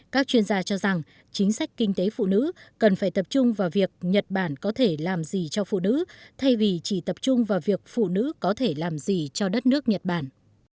các chuyên gia cho rằng chính sách kinh tế phụ nữ cần phải tập trung vào việc nhật bản có thể làm gì cho phụ nữ thay vì chỉ tập trung vào việc phụ nữ có thể làm gì cho đất nước nhật bản